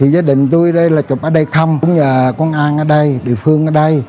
mình tôi đây là chụp ở đây khăm cũng nhờ công an ở đây địa phương ở đây